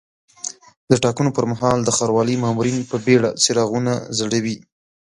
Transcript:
د ټاکنو پر مهال د ښاروالۍ مامورین په بیړه څراغونه ځړوي.